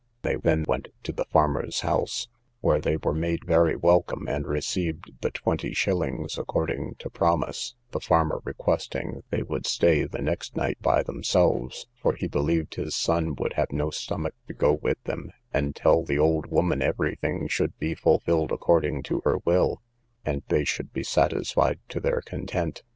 They then went to the farmer's house, where they were made very welcome, and received the twenty shillings, according to promise, the farmer requesting they would stay the next night by themselves, for he believed his son would have no stomach to go with them, and tell the old woman every thing should be fulfilled according to her will, and they should be satisfied to their content.